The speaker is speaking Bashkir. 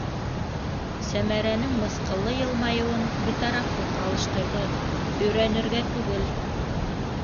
- Сәмәрәнең мыҫҡыллы йылмайыуын битарафлыҡ алыштырҙы, - өйрәнергә түгел.